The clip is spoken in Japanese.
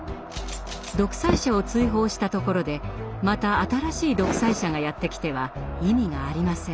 独裁者を追放したところでまた新しい独裁者がやって来ては意味がありません。